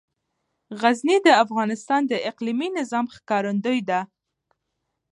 غزني د افغانستان د اقلیمي نظام ښکارندوی ده.